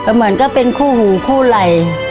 เหมือนก็เป็นคู่หูคู่ไหล่